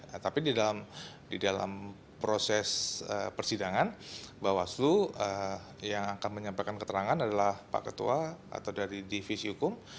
nah tapi di dalam proses persidangan bawaslu yang akan menyampaikan keterangan adalah pak ketua atau dari divisi hukum